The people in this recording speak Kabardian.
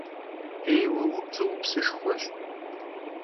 'êyue vupts'ıupsışşxueş.